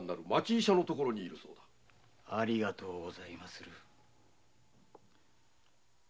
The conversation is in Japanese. ありがとうございます。